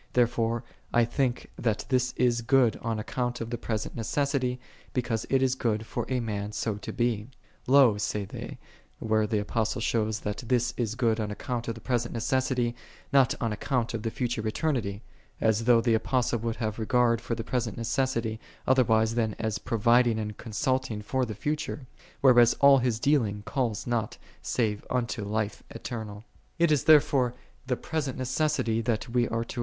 Therefore I think that this is good on account of the present necessity, because it is good for a man so to be."7 Lo, say ' Comfionit. i Cor. Cor. xi. 2. fur. vii. 25, 26. ol Hnl.Y \ IKGIM I \ 431 they, where the Apostle shows "that this is good .MI account oi t i« present necessity," not on .mount of the future eternity. \l though the A|)ostle would liave regard for the present necessity, otherwise than as pro viding and consulting tor the future; \\ all his dealing1 calls not save unto life eternal. 14. It is, therefore, the present MC< that we are to